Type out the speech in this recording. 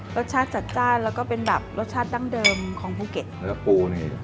รสชาติจัดจ้านแล้วก็เป็นแบบรสชาติดั้งเดิมของภูเก็ตแล้วก็ปูนี่